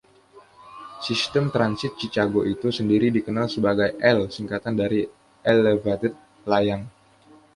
Sistem transit Chicago itu sendiri dikenal sebagai “L”, singkatan dari “elevated”, Layang.